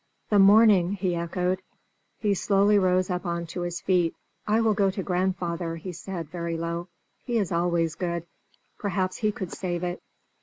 "The morning!" he echoed. He slowly rose up on to his feet. "I will go to grandfather," he said, very low. "He is always good: perhaps he could save it."